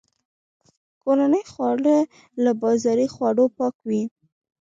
کورني خواړه له بازاري خوړو پاک وي.